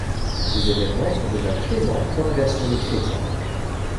Ces événements sont déjà présents dans la version de Chrétien.